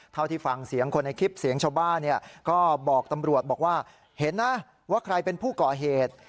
ที่ฟังเสียงคนในคลิปเสียงชาวบ้านก็บอกตำรวจบอกว่าเห็นนะว่าใครเป็นผู้ก่อเหตุ